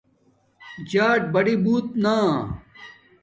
جݳٹ بڑی بُݹت نݳ